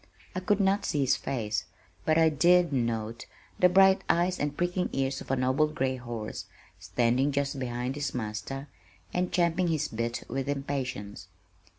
I could not see his face, but I did note the bright eyes and pricking ears of a noble gray horse standing just behind his master and champing his bit with impatience.